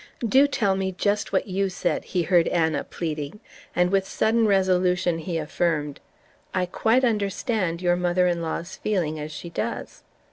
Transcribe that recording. "Do tell me just what you said," he heard Anna pleading; and with sudden resolution he affirmed: "I quite understand your mother in law's feeling as she does."